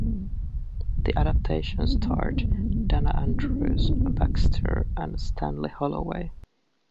The adaptation starred Dana Andrews, Baxter, and Stanley Holloway.